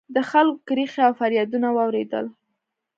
د خلکو کریغې او فریادونه واورېدل